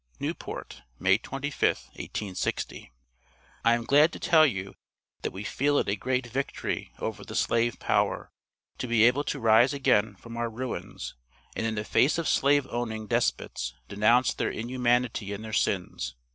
"NEWPORT, May 25th, 1860. "I am glad to tell you that we feel it a great victory over the slave power to be able to rise again from our ruins, and in the face of slave owning despots denounce their inhumanity and their sins.